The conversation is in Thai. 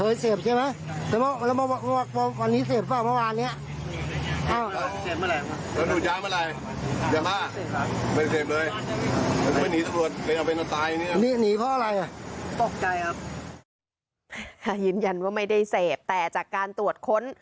ยืนยันว่าไม่ได้เสพแต่จากการตรวจค้น